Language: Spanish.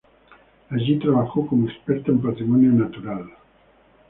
Allí trabajó como experta en patrimonio natural.